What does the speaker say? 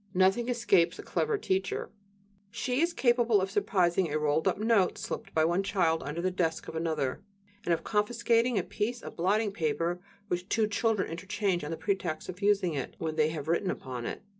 "Nothing escapes" a clever teacher; she is capable of surprising a rolled up note slipped by one child under the desk of another; and of confiscating a piece of blotting paper which two children interchange on the pretext of using it, when they have written upon it.